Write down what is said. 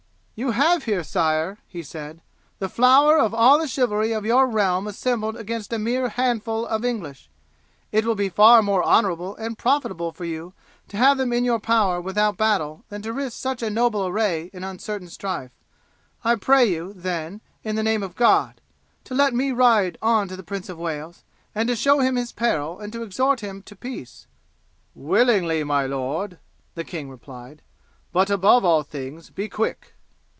"You have here, sire," he said, "the flower of all the chivalry of your realm assembled against a mere handful of English, and it will be far more honourable and profitable for you to have them in your power without battle than to risk such a noble array in uncertain strife. I pray you, then, in the name of God, to let me ride on to the Prince of Wales, to show him his peril, and to exhort him to peace." "Willingly, my lord," the king replied; "but above all things be quick."